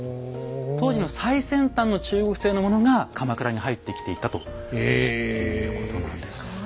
当時の最先端の中国製のものが鎌倉に入ってきていたということなんです。